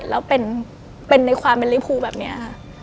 แล้วเป็นในความเป็นลิภูแบบนี้ค่ะ